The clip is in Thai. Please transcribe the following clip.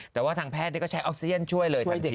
แต่ว่าทางแพทย์ก็ใช้ออกเซียนช่วยเลย